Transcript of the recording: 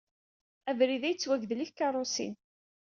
Abrid-a yettwagdel i tkeṛṛusin.